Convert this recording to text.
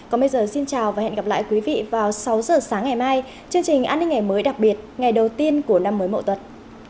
còn bây giờ xin chào và hẹn gặp lại quý vị vào sáu giờ sáng ngày mai chương trình an ninh ngày mới đặc biệt ngày đầu tiên của năm mới mậu tật